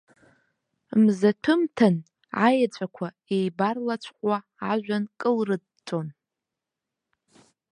Мзаҭәымҭан, аеҵәақәа еибарлацәҟәуа ажәҩан кылрыҵәҵәон.